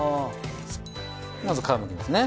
まず皮剥きますね。